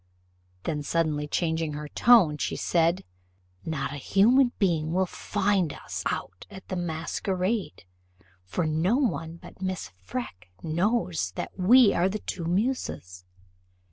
Then suddenly changing her tone, she said, "Not a human being will find us out at the masquerade; for no one but Mrs. Freke knows that we are the two muses.